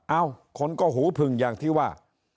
เอ้าคนก็หูผึ่งอย่างที่ว่า